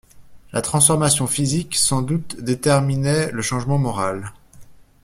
La transformation physique, sans doute déterminait le changement moral.